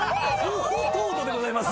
高糖度でございます。